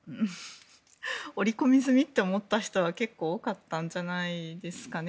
織り込み済みと思った人は結構多かったんじゃないですかね。